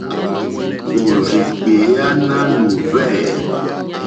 Òrzìɡbèá nánù hwɛ̂.